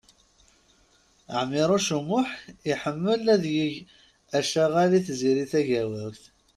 Ɛmiṛuc U Muḥ iḥemmel ad yeg acaɣal i Tiziri Tagawawt.